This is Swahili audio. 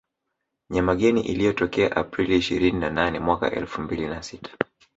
Nyamageni iliyotokea Aprili ishirini na nane mwaka elfu mbili na sita